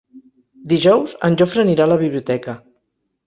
Dijous en Jofre anirà a la biblioteca.